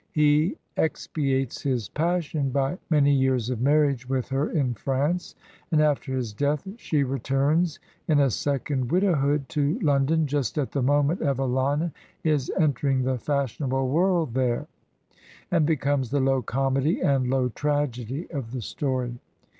He expiates his passion by many years of marriage with her in France, and after his death she returns in a second widowhood to Lon don, just at the moment Evelina is entering the fash ionable world there, and becomes the low comedy and low tragedy of the story.